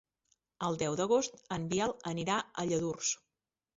El deu d'agost en Biel anirà a Lladurs.